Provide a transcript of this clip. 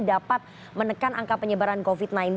dapat menekan angka penyebaran covid sembilan belas